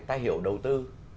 ta hiểu đầu tư